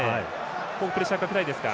プレッシャーかけたいですか。